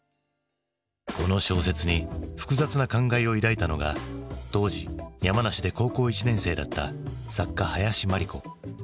この小説に複雑な感慨を抱いたのが当時山梨で高校１年生だった作家林真理子。